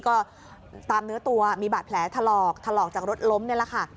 ก็ตามเนื้อตัวมีบาดแผลถลอกถลอกจากรถล้มนี่แหละค่ะ